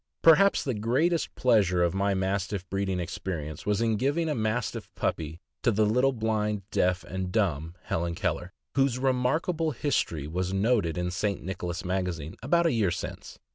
Perhaps the. greatest pleasure of my Mastiff breeding experience was in giving a Mastiff puppy to the little blind, deaf, and dumb Helen Keller, whose remarkable history was noted in St. Nicholas Magazine about a year since.